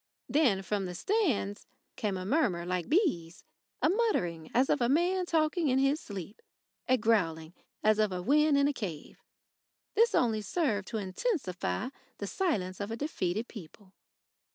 Then from the stands came a murmur like bees, a muttering as of a man talking in his sleep, a growling as of wind in a cave. This only served to intensify the silence of a defeated people.